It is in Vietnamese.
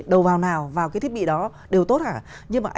đầu vào nào vào cái thiết bị đó đều tốt hả